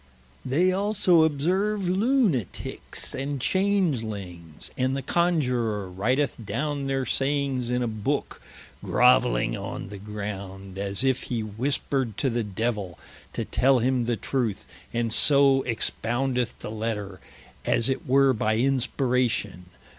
They also observe Lunatickes and Changelings, and the Coniurer writeth downe their Sayings in a Booke, groveling on the ground, as if he whispered to the Devil to tell him the truth, and so expoundeth the Letter, as it were by inspiration.